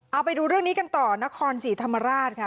เอาไปดูเรื่องนี้กันต่อนครศรีธรรมราชค่ะ